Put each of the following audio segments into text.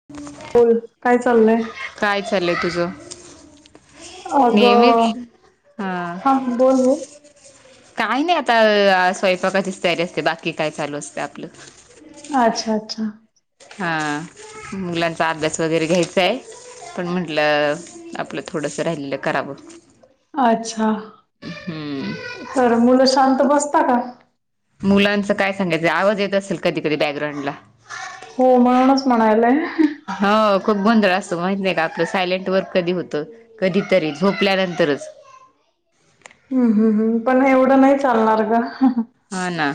[unintelligible] बोल काय चाललंय. काय चाललय तुझं? नेहमीच अगं हा. बोल बोल काय नाय आता अ स्वयंपाकाचीच तयारी असते बाकी काय चालू असते आपलं. अच्छा अच्छा. हा मुलांचा अभ्यास वगैरे घ्यायचांय पण म्हटलं आपलं थोडस राहिलेलं करावं. अच्छा हम्म तर मुलं शांत बसता का? मुलांच काय सांगायचं आवाज येत असेल कधी कधी बॅकग्राउंडला. हो म्हणूनच म्हणायलय. हो खूप गोधळ असतो माहित नाही का आपलं सायलेंट वर्क कधी होतं. कधीतरी झोपल्यानंतरच हूं हूं हूं पण एवढं नाही चालणार ग हो ना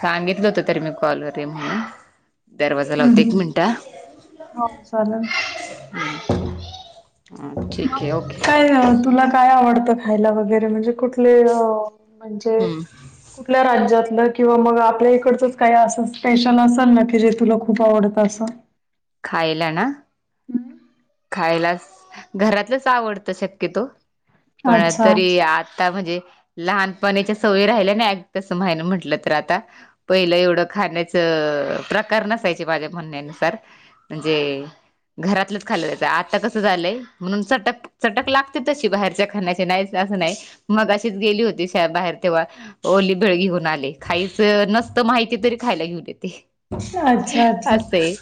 सांगितलं होत तरी मी कॉलवर म्हणून दरवाजा लावता एक हम्म. मिनिट हो चालेल ह मग काय तुला काय आवडतं खायला वगैरे म्हणजे कुठले र म्हणजे. हम्म कुठल्या राज्यातलं किंवा मग आपल्या इकडचंच काही असं स्पेशल असेल ना की जे तुला खूप आवडत असं. खायला ना. खायलाच घरातलंच आवडतं शक्यतो. पण अच्छा तरी आता म्हणजे. लहानपणाच्या सवयी राहिल्या नाय कसं म्हण म्हंटलं तर आता. पहिलं एवढं खाण्याचं प्रकार नसायचे माझ्या म्हणण्यानुसार. म्हणजे घरातलं खाल्लंत आता कसं झालंय म्हणून चटक चटक लागते तशी बाहेरच्या खाण्याची नाही असं नाही. मग तशीच गेली होती शा बाहेर तेव्हा. ओली भेळ घेऊन आले खाईच नसत माहिती तरी खायला घेऊन येते. अच्छा अच्छा असं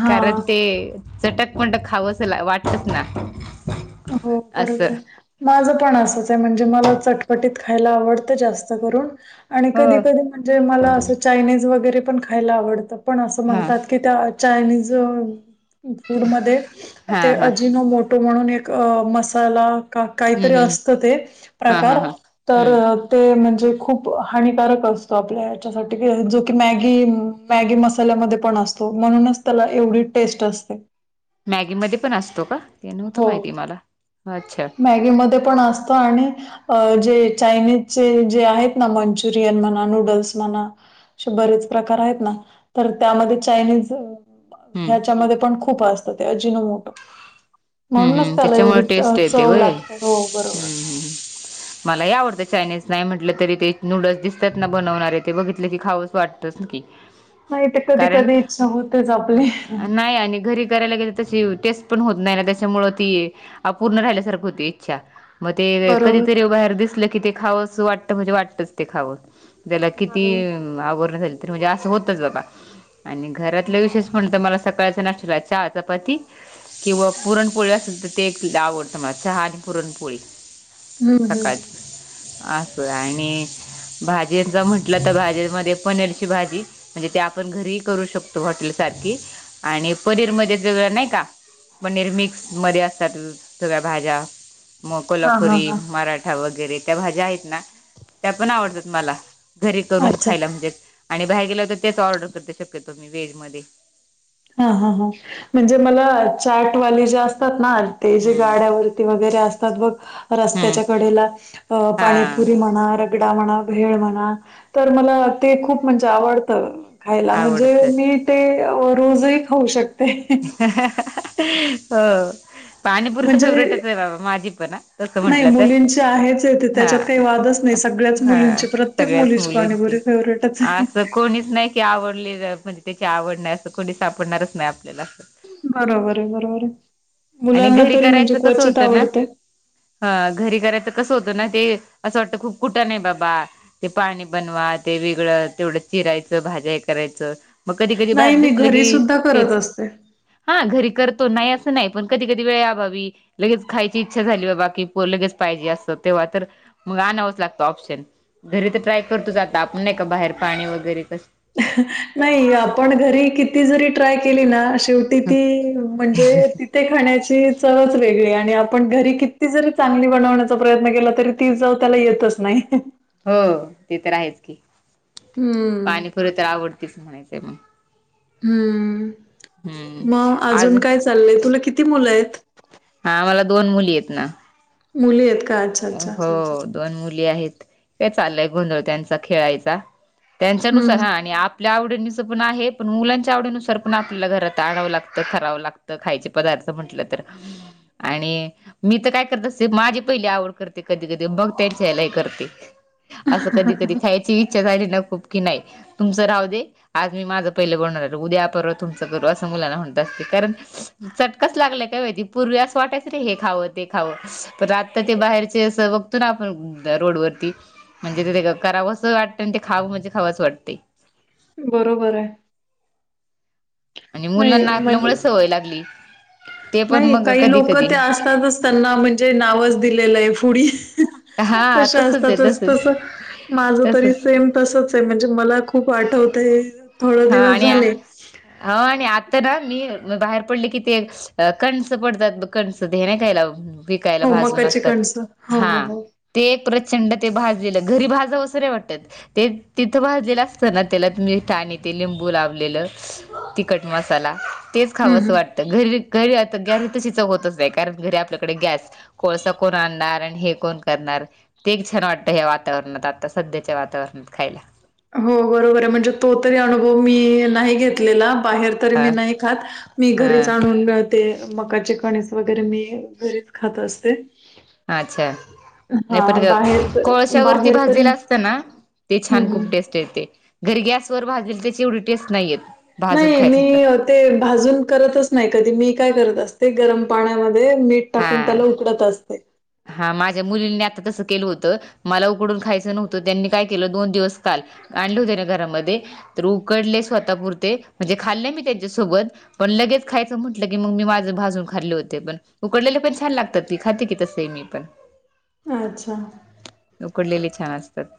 हा कारण ते चटक पणट खावसं वाटतच ना. हो असं बरोबर आहे. माझं पण असंच आहे म्हणजे मला चटपटीत खायला आवडतं जास्त करून. आणि हो कधी कधी म्हणजे मला असं चायनीज वगैरे पण खायला आवडतं पण असं हा म्हणतात की त्या चायनीज फूड मध्ये हा ते हा अजिनो मोटो म्हणून एक अ मसाला हम्म काहीतरी हम्म असत ते हा हा प्रकार हा तर हम्म ते म्हणजे खूप हानिकारक असत आपल्या हेच्यासाठी जो की मॅगी मॅगी मसाल्यामध्ये पण असतो म्हणूनच त्याला एवढी टेस्ट असते. मॅगी मध्ये पण असतो का ते नव्हतो माहिती मला अच्छा. मॅगी मध्ये पण असत आणि अ जे चायनीजचे जे आहेत ना मंचुरियन म्हणा नूडल्स म्हणा असे बरेच प्रकार आहेत ना तर त्यामध्ये चायनीज हम्म ह्याच्यामध्ये पण खूप असतं ते अजिनो मोटो म्हणूनच त्याला त्याच्यामुळे एवढी टेस्ट ते येते चव होय हम्म लागते. हो बरोबर. हां. हम्म. मला लई आवडतं चायनीज नाही म्हटलं तरी ते नूडल्स दिसतात ना बनवणारे ते बघितले की खावंच वाटत. च कि नाही ते कारण कधी-कधी इच्छा होतेच आपली. नाही आणि घरी करायला गेल तशी टेस्ट पण होत नाही ना त्याच्यामुळे ती अपूर्ण राहिल्यासारख होती इच्छा. मग ते बरोबर. कधीतरी बाहेर दिसलं की ते खावस वाटत म्हणजे वाटतच ते खावं. त्याला किती बरोबर. आवरण झाली तरी म्हणजे असं होतच बाबा. आणि घरातलं विशेष म्हण मला सकाळच्या नाशट्याला चहा चपाती किंवा पुरण पोळी असेल तर ते सुद्धा ते एक आवडतं मला चहा आणि पुरणपोळी हं, हं. सकाळची. असं आणि भाजीचा म्हंटलं तर भाजीमध्ये पनीरची भाजी. म्हणजे ते आपण घरीही करू शकतो हॉटेल सारखी आणि पनीर मध्ये वेगळं नाही का. पनीर मिक्स मध्ये असतात सगळ्या भाज्या मग हां, हां, कोल्हापुरी हां. मरा ठा वगैरे त्या भाज्या आहेत ना त्या पण आवडतात मला घरी करून अच्छा. खायला म्हणजे आणि बाहेर गेलं तर तेच ऑर्डर करते शक्यतो मी व्हेज मध्ये. हा हा हां म्हणजे मला चाटवाले जे असतात ना. ते जे हम्म गाड्यावरती वगैरे असतात बघ हम्म रस्त्याच्या कडेला. अ हां पाणीपुरी म्हणा र गडा म्हणा भेळ म्हणा तर मला ते खूप म्हणजे आवडत. खायला म्हणजे आवडतं मी ते रोजही खाऊ शकते. हो. पाणीपुरी तर म्हणजे फेव्हरेटच आहे बाबा माझी पण तसं नाही म्हंटलं तर मुलींची आहेच आहे ते हा. त्याच्यात काही वादच नाही सगळ्याच हा मुलींची प्रत्येक सगळ्याच मुलीची पाणी मुलींची बरी फेवर्हेटच आहे. असं कोणीच नाही की आवडली म्हणजे त्याची आवड नाही असं कोणी सापडणारच नाही आपल्याला अस. बरोबर आहे बरोबर आहे आणि मुलांना घरी तरी म्हणजे करायचं कसं क्वचित होतं ना आवडते. ह घरी करायच कसं होतं ना ते असं वाटतं खूप कुठ नाही आहे बाबा. ते पाणी बनवा ते वेगळं तेवढं चिरायचं भाज्या हे करायचं. मग कधी कधी नाही, बाहेर मी दिसले घरी की सुद्धा करत हेच. असते. हा घरी करतो नाही असं नाही पण कधी कधी वेळ या बावी. लगेच खायची इच्छा झाली बाबा की लगेच पाहिजे असं तेव्हा तर मग आणावंच लागतं ऑप्शन. घरी तर ट्राय करतोच आता आपण नाही का बाहेर पाणी वगैरे कस. नाही आपण घरी किती जरी ट्राय केली ना शेवटी. तिथती म्हणजे. ते खाण्याची चवच वेगळी आणि आपण घरी किती जरी चांगली बनवण्याचा प्रयत्न केला तरी. ती जाऊ त्याला येतच नाही. हो ते तर आहेच की. हम्म. खरं तर आवडतीच म्हणायचं आहे मग. हम्म हम्म मग आज अजून काय चाललंय तुला किती मुलं आहेत. हा आम्हाला दोन मुली आहेत ना. मुली आहेत का. अच्छा. हो दोन मुली आहेत काय चाललंय गोंधळ त्यांचा खेळायचा. हं, त्यांच्यानुसार हा आणि. आपल्या आवडीनुसार पण आहे पण मुलांच्या आवडीनुसार पण आपल्याला घरात आणाव लागतं करावं लागतं. खायचे पदार्थ म्हंटलं तर आणि मी तर काय करत अस माझे पहिले आवड. करते कधी कधी बघ त्यांच्यालाही करते असं कधी कधी खायची इच्छा झाली ना खूप. की नाही तुमचं राह दे. आज मी माझं पहिलं बनणार आल उद्यापर्वा तुमचं करू असं मुलाना म्हणत असते कारण. चटकाच लागलाय काय माहिती पूर्वी असं वाटायचं रे हे खावं ते खावं पण आता ते बाहेर. बघतो ना आपण रोड वरती. म्हणजे ते ते करावंच वाटतं आणि ते खां म्हणजे खावां वाटते. बरोबर आहे. म्हणजे नाही मुलांनाकल्यामुळे म्हणजे सवय लागली. ते पण नाही मग काही कधी लोक ते कधी असतातच त्यांना म्हणजे नावच दिलेलं आहे पुढ. हा तशी तसच आहे असतातच तस तसच माझ तरी तसच सेम. तसच आहे म्हणजे मला खूप आठवतंय. हा आणि ह आणि आता ना मी बाहेर पडले कि ते. अ कणीस पडतात बघ कणस दे ना कायला. विकायला हो भाजून मकाची असतात कणसं हो हा. हो हो ते एक प्रचंड ते भाजलेलं घरी भाजावसरे वाटतत. ते तिथं भाजलेलं असतं ना त्याला तुम्हीाणी. ते लिंबू लावलेलं तिखट मसाला तेच खावं हम्म असं हम्म वाटतं घरी. घरी आता गॅस ह तशी चव होतच नाही कारण घरी आपल्याकडे गॅस. कोळसा कोण आणणार आणि हे कोण करणार. ते एक छान वाटत या वातावरणात आता सध्याच्या वातावरणात खायला. हो बरोबर आहे म्हणजे तो तरी अनुभव मी नाही घेतलेला. बाहेर तरी हा मी नाही खात मी हा घरीच आणून. ते मकाचे कणीस वगैरे मी घरीच खात असते. अच्छा. नाही हा पण बाहेर तर कोळश्यावररती बाहेर तरी भाजलेला असता ना ते छान हम्म खूप टेस्ट येते. घरी गॅस वर भाजल त्याची एवढी टेस्ट नाहीयेत. नाही मी ते भाजून करतच नाही कधी मी काय करत असते. ते गरम पाण्यामध्ये मीठ टाकून हा त्याला उकडत असते. हा माझ्या मुलींनी आता तसं केलं होत मला उकडून खायचं नव्हतं त्यांनी काय केलं दोन दिवस काल. आणले होते ना घरामध्ये तर उकडले स्वतः पुुरते म्हणजे खाल्ले मी त्यांच्यासोबत. पण लगेच खायचं म्हटलं की मग मी माझं भाजून खाल्ले होते पण उकडलेले पण छान लागतात की खाते की तस. ते मी पण. अच्छा. उकडलेले छान असतात.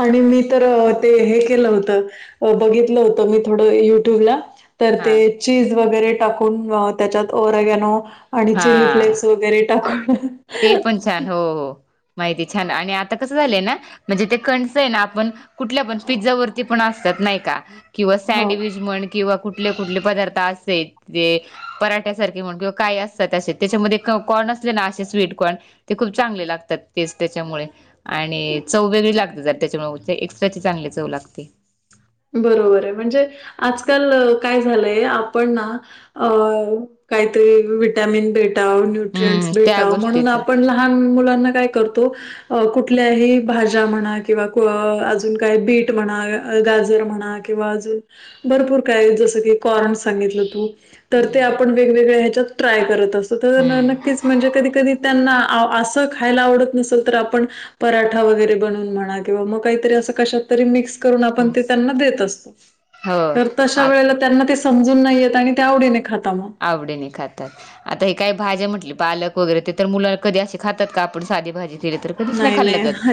आणि मी तर ते हे केलं होतं बघितलं होतं मी थोडं युट्यूबला. तर ते हा चीज वगैरे टाकून त्याच्यात ओरगनो आणि चिली हा फ्लेक्स वगैरे टाकूण. ते पण छान हो हो माहिती छान आणि आता कसं झालंय ना. म्हणजे ते कणच आहे ना आपण कुठल्या पण पिझ्झा वरती पण असतात नाही का. किंवा हो. सँडविच म्हण किंवा कुठले कुठले पदार्थ असते. ते पराठ्यासारखे म्हण किंवा काय असताते त्याच्यामध्ये कॉर्न असले ना. स्वीट कॉर्न खूप चांगले लागतात त्याच्यामुळे आणि चव वेगळी लागते. जार त्याच्यामुळे एक्स्ट्राचे चांगले चव लागते. बरोबर आहे म्हणजे आजकाल काय झालंय आपण ना. अ काहीतरी विटमिन भेटा न्यट्रिंट् हम्म त्या भेटा म्हणून गोष्टीच आपण लहान मुलांना काय करतो. अ कुठल्याही भाज्या म्हणा किंवा अजून काय बीट म्हणा गाजर. जर महना किव्हा भरपूर काही जस कॉर्न सांगितलं तु तर ते हम्म आपण वेगवेगळ्या ह्याच्यात ट्राय करत असतो तर हम्म नक्कीच म्हणजे कधी कधी त्यांना असं खायला आवडत नसेल तर आपण पराठा वगैरे बनवून म्हणा किंवा मग काहीतरी असं कशात तरी मिक्स करून आपण ते त्यांना देत असतो हो तर ताशा आ वेळेला त्यांना ते समजून नाही येत आणि ते आवडीने खातात मग. आवडीने खातात. आता हे काय भाज्या म्हटली पालक वगैरे ते तर मुला कधी असे खातात का आपण साधी भाजी केली तर. च नाही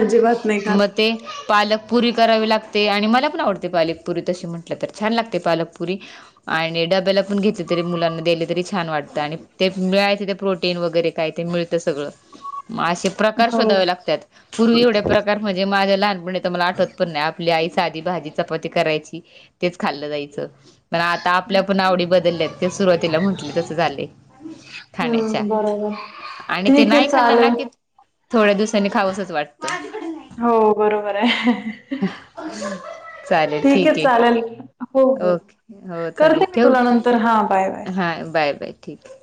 अजिबात नाही मग खात. ते पालक. पुरी करावी लागते आणि मला पण आवडते पालकपुरी तशी म्हटलं तर छान लागते पालकपुरी. आणि डब्याला पण घेतले तरी मुलांना दिली तरी छान वाटत आणि ते मिळायचे ते प्रोटीन वगैरे काय ते मिळतं सगळं. मग असे प्रकार हो शोधावे लागतात पूर्वी एवढे प्रकार कार म्हणजे माझ्या लहानपणी तर मला आठवत पण नाही आपली आई साधी भाजी चपाती करायची. तेच खाल्लं जायचं पण आता आपल्या पण आवडी बदलल्यात ते सुरवातीला म्हटल तस झालय खाण्याच्या हम्म बरोबर. आणि ते ठीक आहे नाही चालेल. खाल्लंना. थोड्या दिवसाांनी खावसच वाटतं. हो बरोबर आहे. चालेल ठीक आहे. तर हो. हो. ओके हो चालेल करते मी ठेव तुला नंतर हा बाय बाय. हा बाय बाय ठीक.